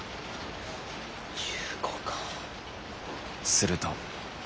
すると。